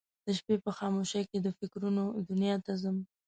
د شپې په خاموشۍ کې د فکرونه دنیا ته ځم